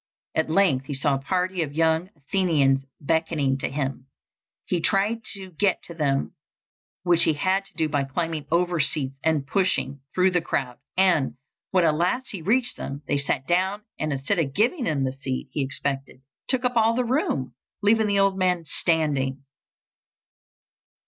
At length he saw a party of young Athenians beckoning to him. He tried to get to them, which he had to do by climbing over seats and pushing through the crowd; and, when at last he reached them, they sat down, and, instead of giving him the seat he had expected, took up all the room, leaving the old man standing.